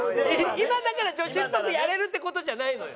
今だから女子っぽくやれるって事じゃないのよ。